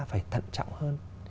phải thận trọng hơn